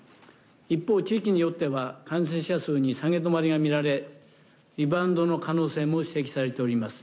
一方、地域によっては感染者数に下げ止まりが見られリバウンドの可能性も指摘されています。